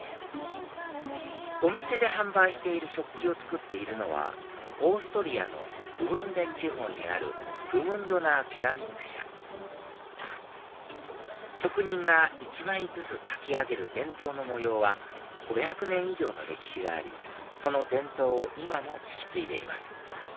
お店で販売している食器を作っているのはオーストリアのグムンデン地方にあるグムンドナー・ケラミック社職人が１枚ずつ描き上げる伝統の模様は５００年以上の歴史がありその伝統を今も引き継いでいます